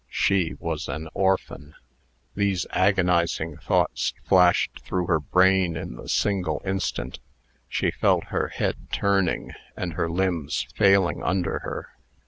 She was an orphan! These agonizing thoughts flashed through her brain in the single instant. She felt her head turning, and her limbs failing under her.